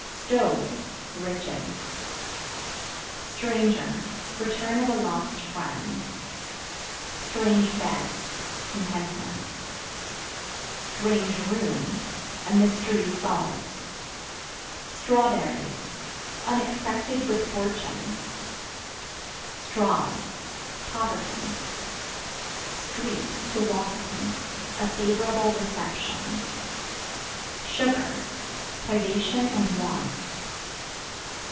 Stove Riches. Stranger Return of a lost friend. Strange Bed Contentment. Strange Room A mystery solved. Strawberries Unexpected good fortune. Straws Poverty. Street (To walk in) a favorable reception. Sugar Privation and want.